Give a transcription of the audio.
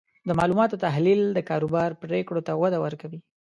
د معلوماتو تحلیل د کاروبار پریکړو ته وده ورکوي.